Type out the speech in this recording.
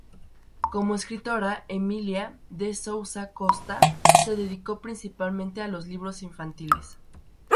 Como escritora, Emilia de Sousa Costa se dedicó principalmente a los libros infantiles.